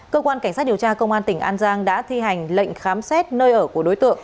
cơ quan cảnh sát điều tra công an tỉnh an giang đã thi hành lệnh khám xét nơi ở của đối tượng